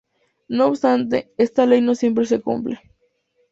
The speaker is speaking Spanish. No obstante, esta ley no siempre se cumple.